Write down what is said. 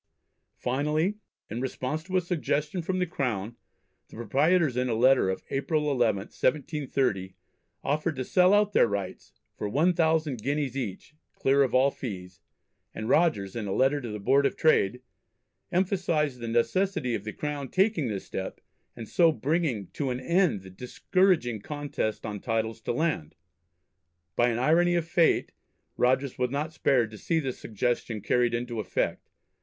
Finally, in response to a suggestion from the Crown, the proprietors in a letter of April 11th, 1730, offered to sell out their rights "for one thousand guineas each, clear of all fees," and Rogers in a letter to the Board of Trade emphasised the necessity of the Crown taking this step, and so bringing to "an end the discouraging contests on titles to land." By an irony of fate Rogers was not spared to see this suggestion carried into effect.